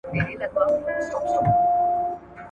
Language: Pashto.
هغوی د محمد داوود خان لپاره تاریخ ونړاوه.